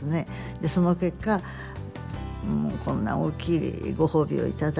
でその結果こんな大きいご褒美を頂いて。